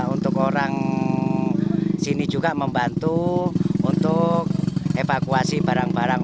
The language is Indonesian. untuk orang sini juga membantu untuk evakuasi barang barang